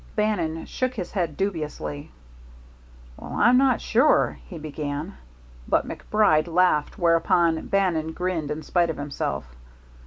Bannon shook his head dubiously. "Well, I'm not sure " he began. But MacBride laughed, whereupon Bannon grinned in spite of himself.